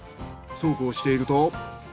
そうこうしていると。